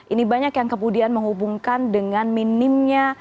ini banyak yang kemudian menghubungkan dengan minimnya